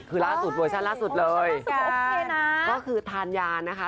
คือล่าสุดเวอร์ชั่นล่าสุดเลยโอเคนะก็คือทานยานะคะ